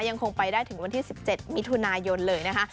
ยังคงไปได้ถึงวันที่๑๗มิถุนายนเลยนะคะ